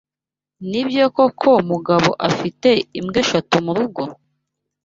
Nibyo koko Mugabo afite imbwa eshatu murugo?